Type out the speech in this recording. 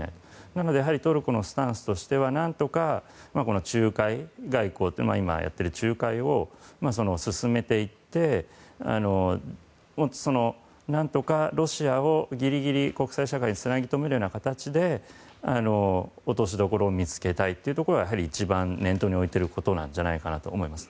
なので、やはりトルコのスタンスとしては何とか仲介外交という今やっている仲介を進めていって何とかロシアをギリギリ国際社会につなぎとめるような形で落としどころを見つけたいというところが一番念頭に置いていることだと思います。